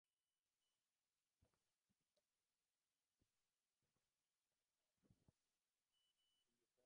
তোমরা নির্বোধের মতো খামারবাড়ি নিয়ে স্বপ্ন দেখতে পারো, কিন্তু আমার কাছে ডিভাইসটা আছে!